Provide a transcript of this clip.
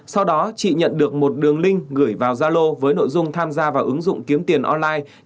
sau đó chị nhận được một đường link gửi vào zalo với nội dung tham gia vào ứng dụng kiếm tiền online